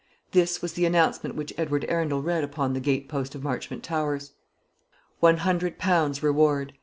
This was the announcement which Edward Arundel read upon the gate post of Marchmont Towers: "ONE HUNDRED POUNDS REWARD.